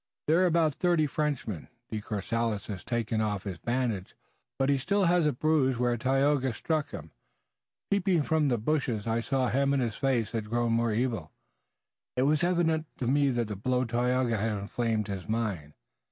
There are about thirty Frenchmen. De Courcelles has taken off his bandage, but he still has a bruise where Tayoga struck him. Peeping from the bushes I saw him and his face has grown more evil. It was evident to me that the blow of Tayoga has inflamed his mind.